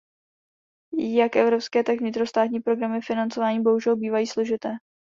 Jak evropské, tak vnitrostátní programy financování bohužel bývají složité.